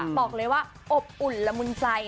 บอกเลยว่าอบอุ่นละมุนใจ